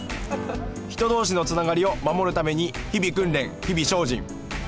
人同士のつながりを守るために日々訓練日々精進。